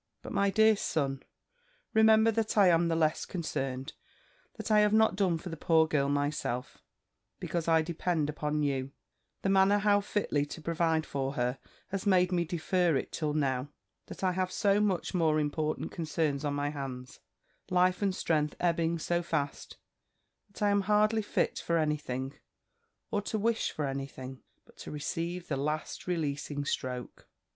But, my dear son, remember that I am the less concerned, that I have not done for the poor girl myself, because I depend upon you: the manner how fitly to provide for her, has made me defer it till now, that I have so much more important concerns on my hands; life and strength ebbing so fast, that I am hardly fit for any thing, or to wish for any thing, but to receive the last releasing stroke.'"